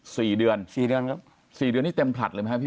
สี่เดือนสี่เดือนครับสี่เดือนนี้เต็มผลัดเลยไหมครับพี่